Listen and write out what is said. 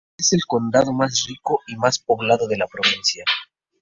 Es el condado más rico y más poblado de la provincia.